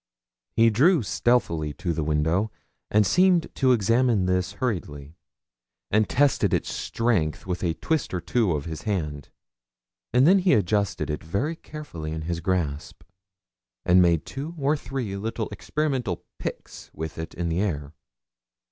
He drew stealthily to the window, and seemed to examine this hurriedly, and tested its strength with a twist or two of his hand. And then he adjusted it very carefully in his grasp, and made two or three little experimental picks with it in the air.